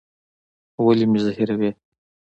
ولي مي زهيروې؟